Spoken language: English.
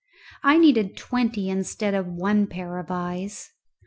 I needed twenty instead of one pair of eyes.